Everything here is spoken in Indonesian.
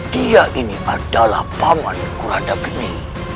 dia ini adalah paman kuranda geni